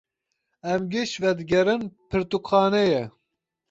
Em giş vedigerin pirtûkxaneyê.